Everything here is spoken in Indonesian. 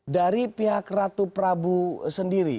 dari pihak ratu prabu sendiri